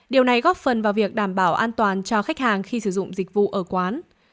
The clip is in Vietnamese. điều này góp phần vào việc đảm bảo an toàn cho khách hàng khi sử dụng dịch vụ ở quán